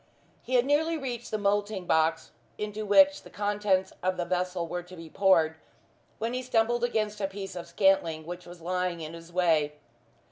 He had nearly reached the moulding box into which the contents of the vessel were to be poured, when he stumbled against a piece of scantling which was lying in his way.